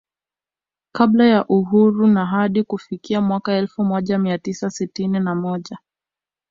Kabla ya Uhuru na hadi kufikia mwaka elfu moja mia tisa sitini na moja